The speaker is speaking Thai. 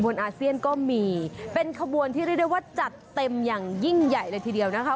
อาเซียนก็มีเป็นขบวนที่เรียกได้ว่าจัดเต็มอย่างยิ่งใหญ่เลยทีเดียวนะคะ